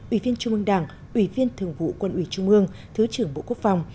ủy viên trung ương đảng ủy viên thường vụ quân ủy trung ương thứ trưởng bộ quốc phòng